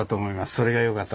それがよかったと。